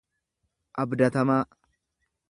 abdatamaa.